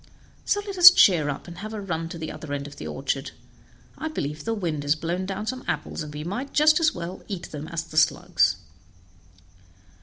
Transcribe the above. So let us cheer up, and have a run to the other end of the orchard; I believe the wind has blown down some apples, and we might just as well eat them as the slugs."